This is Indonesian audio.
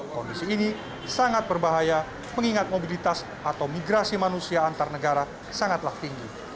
kondisi ini sangat berbahaya mengingat mobilitas atau migrasi manusia antar negara sangatlah tinggi